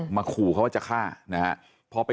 ขู่เขาว่าจะฆ่านะฮะ